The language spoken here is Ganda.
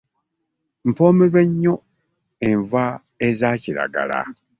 Mpoomerwa nnyo enva eza kiragala.